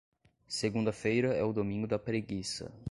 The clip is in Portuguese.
Segunda-feira é o domingo da preguiça.